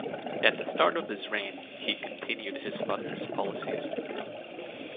At the start of his reign, he continued his father's policies.